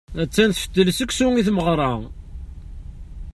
Attan tfettel seksu i tmeɣra.